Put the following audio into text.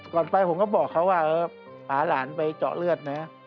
ไปผมก็บอกเขาว่าพาหลานไปเจาะเลือดนะ